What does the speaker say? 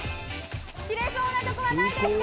切れそうなとこはないですか？